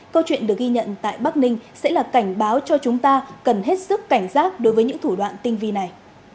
câu chuyện được ghi nhận tại bắc ninh sẽ là cảnh báo cho chúng ta cần hết sức cảnh giác đối với những thủ đoạn tinh vi này